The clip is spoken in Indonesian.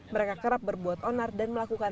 mereka kerap berbuat onar dan melakukan